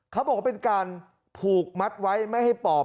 เขาบอกว่าเป็นการผูกมัดไว้ไม่ให้ปอบ